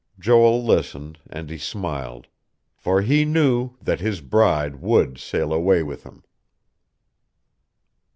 Joel listened, and he smiled. For he knew that his bride would sail away with him.